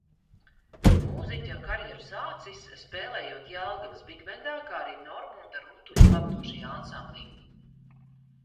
Mūziķa karjeru sācis, spēlējot Jelgavas Bigbendā, kā arī Normunda Rutuļa pavadošajā ansamblī.